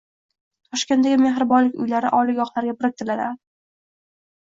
Toshkentdagi mehribonlik uylari oliygohlarga biriktiriladi